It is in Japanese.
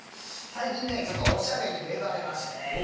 最近ねちょっとオシャレに目覚めましてね。